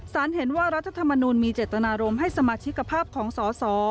สารเห็นว่ารัฐธรรมนูลมีเจตนารมณ์ให้สมาชิกภาพของสส